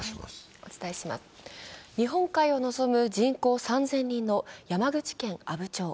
日本海をのぞむ人口３０００人の山口県阿武町。